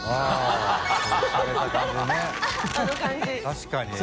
確かに。